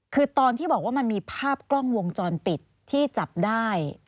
คือตอนที่บอกว่ามันมีภาพกล้องวงจรปิดที่จับได้